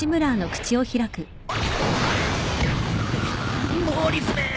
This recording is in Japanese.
くっモーリスめ。